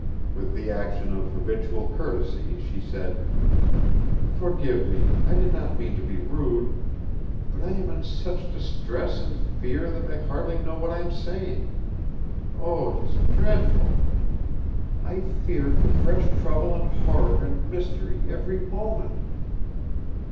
With the action of habitual courtesy she said: "Forgive me! I did not mean to be rude. But I am in such distress and fear that I hardly know what I am saying. Oh, it is dreadful! I fear for fresh trouble and horror and mystery every moment."